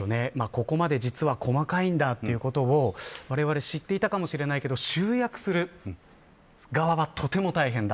ここまで実は細かいんだということをわれわれは知っていたかもしれないけど集約する側はとても大変。